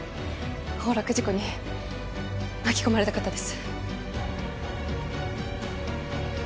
崩落事故に巻き込まれた方です